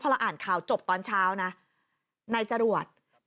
พอเราอ่านข่าวจบตอนเช้านะนายจรวด